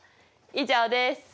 以上です。